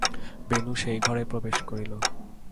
বেণু সেই ঘরেই প্রবেশ করিল।